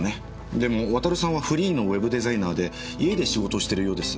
でも渉さんはフリーのウェブデザイナーで家で仕事をしているようです。